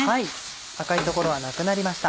はい赤い所はなくなりました。